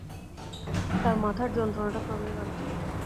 তার মাথার যন্ত্রণাটা ক্রমেই বাড়ছে।